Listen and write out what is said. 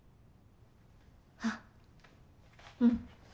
あっうん。